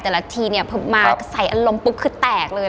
แต่ละทีเนี่ยพอมาใส่อารมณ์ปุ๊บคือแตกเลย